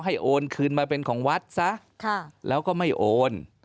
โอนคืนมาเป็นของวัดซะแล้วก็ไม่โอน